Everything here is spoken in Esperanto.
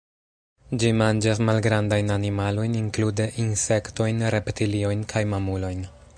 Ĝi manĝas malgrandajn animalojn, inklude insektojn, reptiliojn kaj mamulojn.